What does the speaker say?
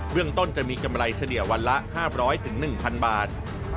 เรื่องต้นจะมีกำไรเฉลี่ยวันละ๕๐๐๑๐๐บาท